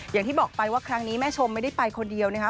อย่างที่บอกไปว่าครั้งนี้แม่ชมไม่ได้ไปคนเดียวนะคะ